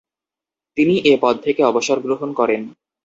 তিনি এ পদ থেকে অবসর গ্রহণ করেন।